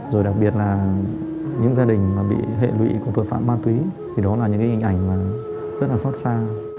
rồi đặc biệt là những gia đình mà bị hệ lụy của tội phạm ma túy thì đó là những hình ảnh mà rất là xót xa